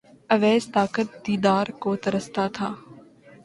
اویس طاقت دیدار کو ترستا تھا